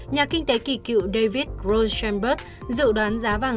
nhà kinh tế kỳ cựu david rothschildberg dự đoán giá vàng